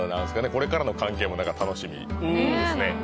これからの関係も楽しみですね